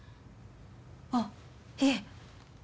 あっいえ。